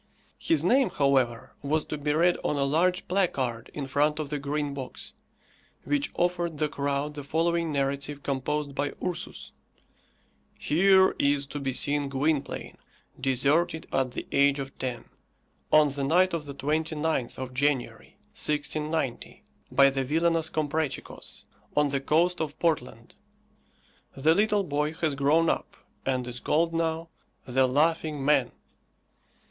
His name, however, was to be read on a large placard in front of the Green Box, which offered the crowd the following narrative composed by Ursus: "Here is to be seen Gwynplaine, deserted at the age of ten, on the night of the 29th of January, 1690, by the villainous Comprachicos, on the coast of Portland. The little boy has grown up, and is called now, THE LAUGHING MAN."